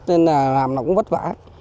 nên là làm nó cũng vất vả